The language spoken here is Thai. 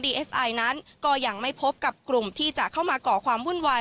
เอสไอนั้นก็ยังไม่พบกับกลุ่มที่จะเข้ามาก่อความวุ่นวาย